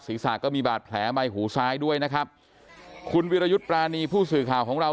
ศีรษะก็มีบาดแผลใบหูซ้ายด้วยนะครับคุณวิรยุทธ์ปรานีผู้สื่อข่าวของเรา